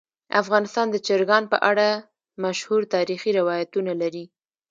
افغانستان د چرګان په اړه مشهور تاریخی روایتونه لري.